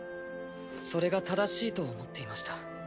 それが正しいと思っていました。